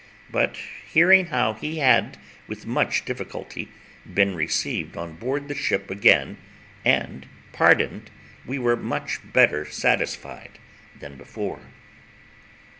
But hearing how he had with much difficulty been received on board the ship again and pardoned, we were much better satisfied than before.